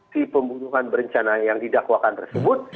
si pembunuhan berencana yang didakwakan tersebut